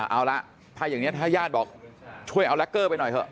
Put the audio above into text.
เอาละถ้าอย่างนี้ถ้าญาติบอกช่วยเอาแล็กเกอร์ไปหน่อยเถ